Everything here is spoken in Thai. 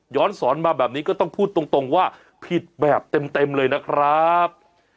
สอนมาแบบนี้ก็ต้องพูดตรงว่าผิดแบบเต็มเลยนะครับ